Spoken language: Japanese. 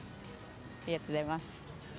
ありがとうございます。